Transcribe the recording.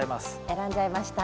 選んじゃいました。